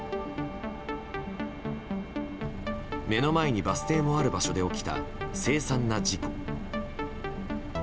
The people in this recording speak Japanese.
目の前にバス停もある場所で起きた凄惨な事故。